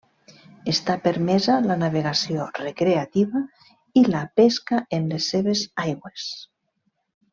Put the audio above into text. Està permesa la navegació recreativa i la pesca en les seves aigües.